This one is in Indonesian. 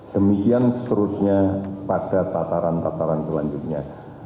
demikian seterusnya pada tataran tataran selanjutnya